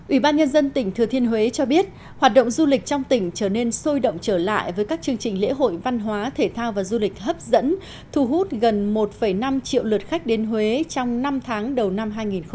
ủy ban nhân dân tỉnh thừa thiên huế cho biết hoạt động du lịch trong tỉnh trở nên sôi động trở lại với các chương trình lễ hội văn hóa thể thao và du lịch hấp dẫn thu hút gần một năm triệu lượt khách đến huế trong năm tháng đầu năm hai nghìn một mươi chín